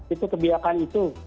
itu kebijakan itu